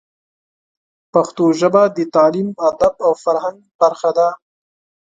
پښتو ژبه د تعلیم، ادب او فرهنګ برخه ده.